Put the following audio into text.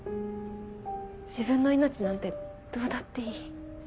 自分の命なんてどうだっていい。